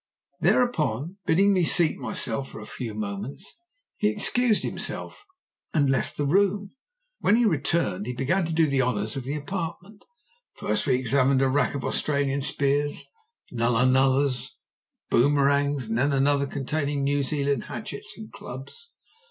Thereupon, bidding me seat myself for a few moments, he excused himself and left the room. When he returned he began to do the honours of the apartment. First we examined a rack of Australian spears, nulla nullas, and boomerangs, then another containing New Zealand hatchets and clubs.